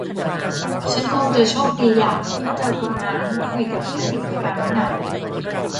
ฉันคงจะโชคดีล่ะ ถ้าเธอคนนั้นคุยกับฉันอีกครั้งน่ะ